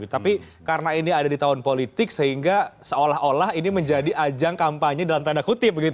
tapi karena ini ada di tahun politik sehingga seolah olah ini menjadi ajang kampanye dalam tanda kutip